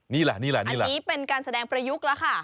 นี่แหละอันนี้เป็นการแสดงประยุกต์แล้วค่ะ